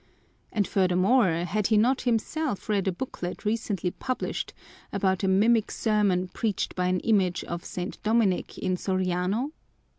And furthermore, had he not himself read a booklet recently published about a mimic sermon preached by an image of St. Dominic in Soriano?